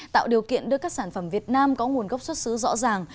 tạo điều kiện đưa các sản phẩm việt nam có nguồn gốc xuất xứ rõ ràng